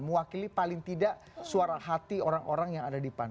mewakili paling tidak suara hati orang orang yang ada di pan